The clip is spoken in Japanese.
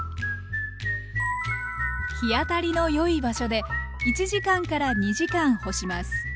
日当たりの良い場所で１時間から２時間干します。